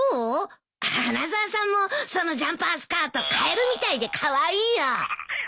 花沢さんもそのジャンパースカートカエルみたいでカワイイよ。